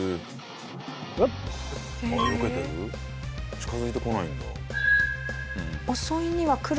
近付いてこないんだ。